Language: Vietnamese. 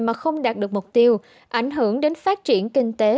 mà không đạt được mục tiêu ảnh hưởng đến phát triển kinh tế